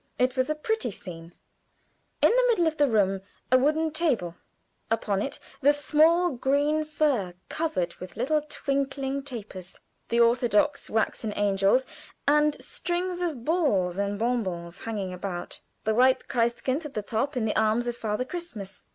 It was a pretty scene. In the middle of the room a wooden table; upon it the small green fir, covered with little twinkling tapers; the orthodox waxen angels, and strings of balls and bonbons hanging about the white Christ kind at the top in the arms of Father Christmas.